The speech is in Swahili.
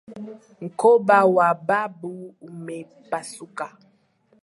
Mkoba wa babu umepasuka.